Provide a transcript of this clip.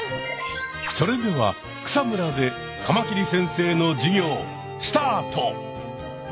それでは草むらでカマキリ先生の授業スタート！